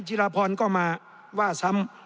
จิรพรก็มาว่าซ้ำ